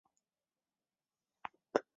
抗战中留守上海银行业。